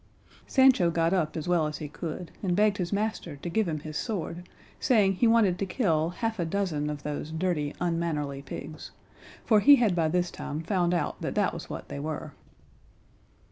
Sancho got up as well as he could and begged his master to give him his sword, saying he wanted to kill half a dozen of those dirty unmannerly pigs, for he had by this time found out that that was what they were.